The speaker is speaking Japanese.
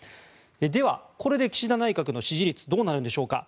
では、これで岸田内閣の支持率はどうなるんでしょうか。